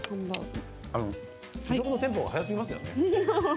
試食のテンポが速すぎますよね。